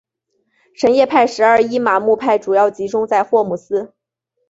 什叶派十二伊玛目派主要集中在霍姆斯。